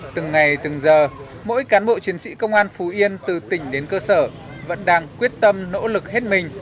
từng ngày từng giờ mỗi cán bộ chiến sĩ công an phú yên từ tỉnh đến cơ sở vẫn đang quyết tâm nỗ lực hết mình